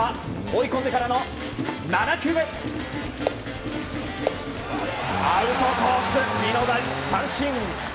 追い込んでからの７球目はアウトコース、見逃し三振。